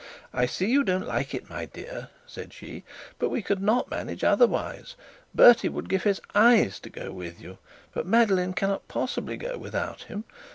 'I see you don't like it, dear,' said she, 'but we could not manage it otherwise. Bertie would give his eyes to go with you, but Madeline cannot possibly go without him.